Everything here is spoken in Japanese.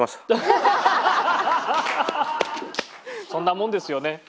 そんなもんですよね。